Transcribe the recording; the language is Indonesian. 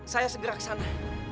saya segera kesana